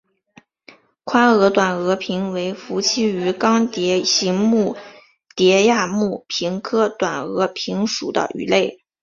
宽额短额鲆为辐鳍鱼纲鲽形目鲽亚目鲆科短额鲆属的鱼类。